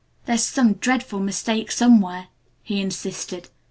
"There's some dreadful mistake somewhere," he insisted.